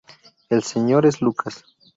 El señor es Lucas.